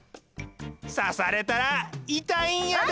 さされたらいたいんやで！